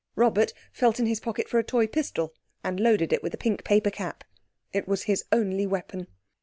Robert felt in his pocket for a toy pistol and loaded it with a pink paper cap. It was his only weapon.